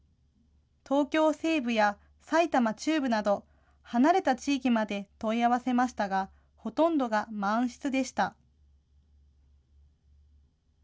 東京西部や埼玉中部など、離れた地域まで問い合わせましたが、ほとんどが満室でした。